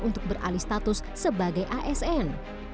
untuk beralih status sebagai asn